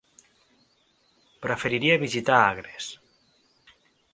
Preferiria visitar Agres.